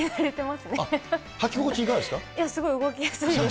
すごい動きやすいです。